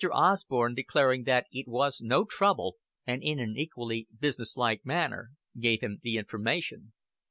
Osborn, declaring that it was no trouble, and in an equally businesslike manner, gave him the information.